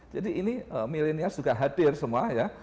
jadi ini millenials juga hadir semua ya